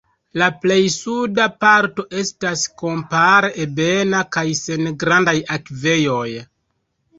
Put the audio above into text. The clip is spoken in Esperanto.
La plej suda parto estas kompare ebena kaj sen grandaj akvejoj.